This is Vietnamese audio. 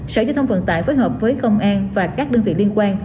sở giao thông vận tải phối hợp với công an và các đơn vị liên quan